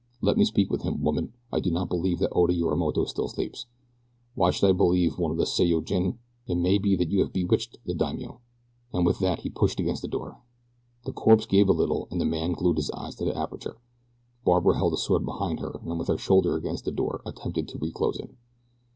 Let me speak with him, woman. I do not believe that Oda Yorimoto still sleeps. Why should I believe one of the sei yo jin? It may be that you have bewitched the daimio," and with that he pushed against the door. The corpse gave a little, and the man glued his eyes to the aperture. Barbara held the sword behind her, and with her shoulder against the door attempted to reclose it.